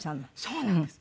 そうなんです。